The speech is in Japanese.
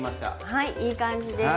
はいいい感じです。